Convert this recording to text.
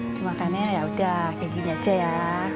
dimakannya yaudah kayak gini aja ya